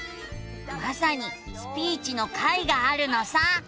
まさに「スピーチ」の回があるのさ。